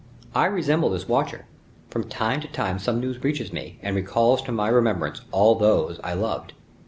I resemble this watcher; from time to time some news reaches me, and recalls to my remembrance all those I loved.